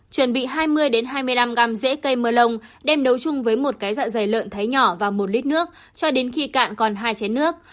chuẩn bị hai mươi hai mươi năm g dễ cây mơ lông đem nấu chung với một cái dạ dày lợn thái nhỏ và một lít nước cho đến khi cạn còn hai chén nước